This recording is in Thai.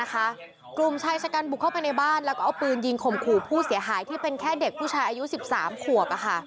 กลุ่มชายชะกันบุกเข้าไปในบ้านแล้วก็เอาปืนยิงข่มขู่ผู้เสียหายที่เป็นแค่เด็กผู้ชายอายุ๑๓ขวบ